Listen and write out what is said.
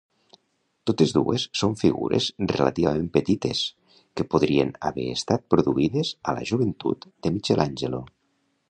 Totes dues són figures relativament petites que podrien haver estat produïdes a la joventut de Michelangelo.